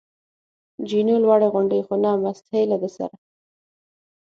جینو: لوړې غونډۍ، خو نه مسطحې، له ده سره.